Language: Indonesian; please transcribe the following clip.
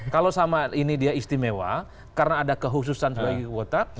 kalau sama ini dia istimewa karena ada kehususan sebagai anggota